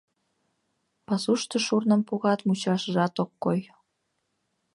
Пасушто шурным погат Мучашыжат ок кой.